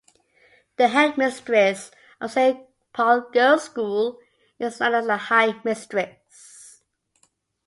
The headmistress of Saint Paul's Girls School is known as the High Mistress.